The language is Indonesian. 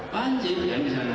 banjir kan di sana